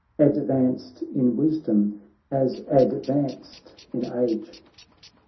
Advanced in wisdom, as advanced in age.